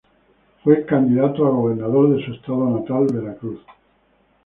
Fue candidato a Gobernador de su estado natal, Veracruz.